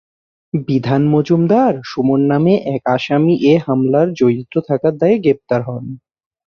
বিধান মজুমদার সুমন নামে এক আসামী এ হামলায় জড়িত থাকার দায়ে গ্রেফতার হন।